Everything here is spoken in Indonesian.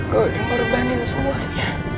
gue dimorbanin semuanya